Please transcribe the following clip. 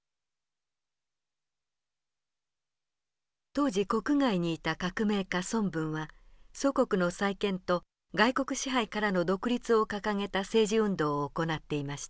当時国外にいた革命家孫文は祖国の再建と外国支配からの独立を掲げた政治運動を行っていました。